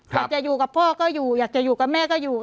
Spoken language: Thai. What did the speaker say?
อยากจะอยู่กับพ่อก็อยู่อยากจะอยู่กับแม่ก็อยู่